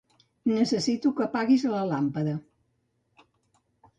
Necessito que apaguis la làmpada.